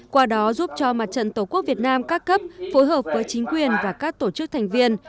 qua đó giúp cho mặt trận tổ quốc việt nam các cấp phối hợp với chính quyền và các tổ chức thành viên